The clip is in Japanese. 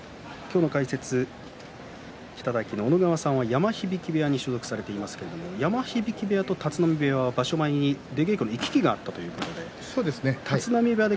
今日の小野川さんは山響部屋に所属されていますが山響部屋と立浪部屋は場所前に行き来があったそうですね。